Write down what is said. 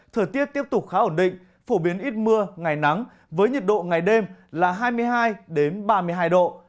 thời tiết tiếp tục khá ổn định phổ biến ít mưa ngày nắng với nhiệt độ ngày đêm là hai mươi hai ba mươi hai độ